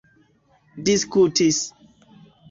diskutis